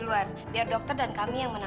loh bokap lu kemana